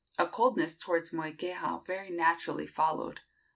A coldness toward Moikeha very naturally followed.